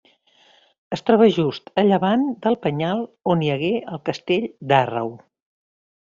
Es troba just a llevant del penyal on hi hagué el Castell d'Àrreu.